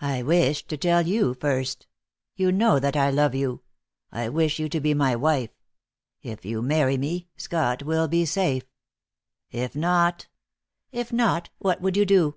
"I wished to tell you first. You know that I love you. I wish you to be my wife. If you marry me, Scott will be safe. If not " "If not, what would you do?"